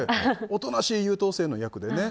おとなしい優等生の役でね。